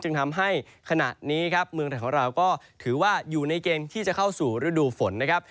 ทำให้ขณะนี้ครับเมืองไทยของเราก็ถือว่าอยู่ในเกณฑ์ที่จะเข้าสู่ฤดูฝนนะครับ